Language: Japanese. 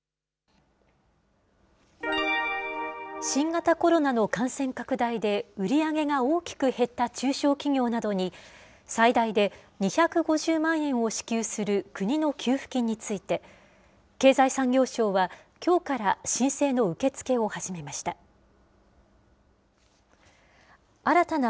新型コロナの感染拡大で、売り上げが大きく減った中小企業などに、最大で２５０万円を支給する国の給付金について、経済産業省は、きょうから申請の受け付けを始めました。